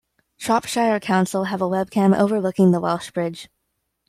Shropshire Council have a webcam overlooking the Welsh Bridge.